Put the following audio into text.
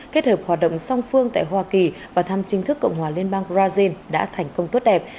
kết hợp hoạt động song phương tại hoa kỳ và thăm chính thức cộng hòa liên bang brazil đã thành công tốt đẹp